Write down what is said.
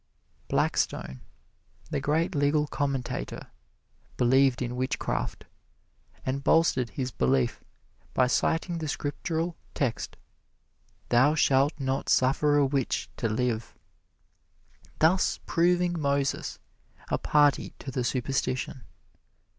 Blackstone, the great legal commentator, believed in witchcraft, and bolstered his belief by citing the Scriptural text, "Thou shalt not suffer a witch to live" thus proving Moses a party to the superstition.